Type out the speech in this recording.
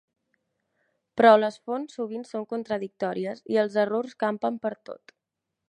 Però les fonts sovint són contradictòries i els errors campen pertot.